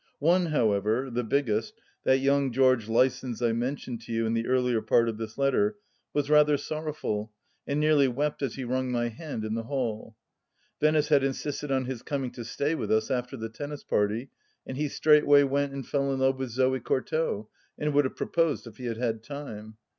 One, however, the biggest — that young George Lysons I mentioned to you in the earlier part of this letter — was rather sorrowful, and nearly wept as he wrung my hand in the hall. Venice had insisted on his coming to stay with us after the tennis party, and he straightway went and fell in love with Zoe Courtauld, and would have proposed if he had had time.